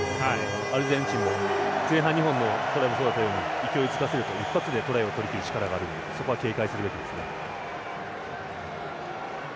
アルゼンチンも前半２本のトライをとられたように勢いづかせると一発でトライを取りきる力があるのでそこは警戒すべきですね。